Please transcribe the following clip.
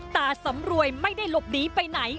สำรวยไม่ได้หลบหนีไปไหน